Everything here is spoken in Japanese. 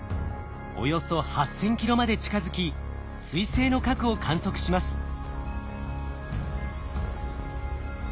およそ８，０００キロまで近づき彗星の核を観測します。